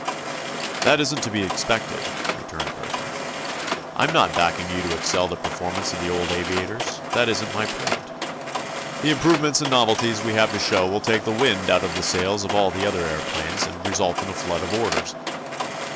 "That isn't to be expected," returned Burthon. "I'm not backing you to excel the performances of the old aviators; that isn't my point. The improvements and novelties we have to show will take the wind out of the sails of all other aëroplanes and result in a flood of orders.